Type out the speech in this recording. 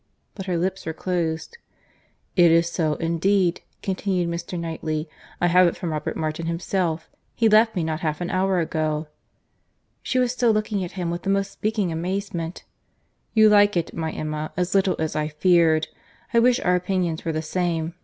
but her lips were closed. "It is so, indeed," continued Mr. Knightley; "I have it from Robert Martin himself. He left me not half an hour ago." She was still looking at him with the most speaking amazement. "You like it, my Emma, as little as I feared.—I wish our opinions were the same.